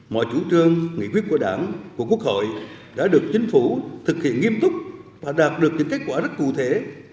mọi chủ trương nghị quyết của đảng của quốc hội đã được chính phủ thực hiện nghiêm túc và đạt được những kết quả rất cụ thể